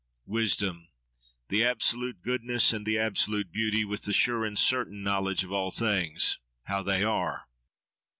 —Wisdom, the absolute goodness and the absolute beauty, with the sure and certain knowledge of all things—how they are.